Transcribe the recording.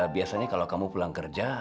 biasanya kalau kamu pulang kerja